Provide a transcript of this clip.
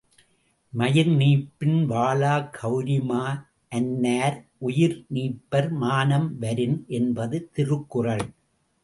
மயிர்நீப்பின் வாழாக் கவரிமா அன்னார் உயிர்நீப்பர் மானம் வரின் என்பது திருக்குறள்.